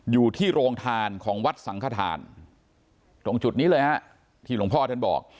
อยู่ที่โรงทานของวัดสังขทานตรงจุดนี้เลยฮะที่หลวงพ่อท่านบอก